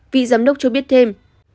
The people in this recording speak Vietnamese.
vị giám đốc cho biết thêm